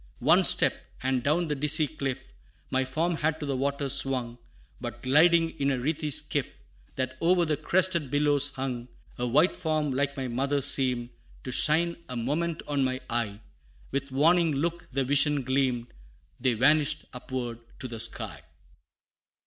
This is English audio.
One step, and down the dizzy cliff, My form had to the waters swung, But gliding in a wreathy skiff, That o'er the crested billows hung, A white form like my mother seemed To shine a moment on my eye; With warning look the vision gleamed, Then vanished upward to the sky!